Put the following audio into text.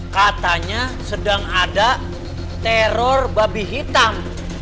katanya sedang ada teror babi hitam